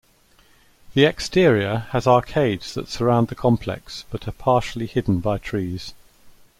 The exterior has arcades that surround the complex but are partially hidden by trees.